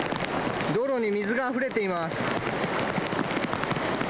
道路に水があふれています。